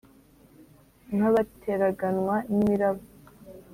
nk abateraganwa n imiraba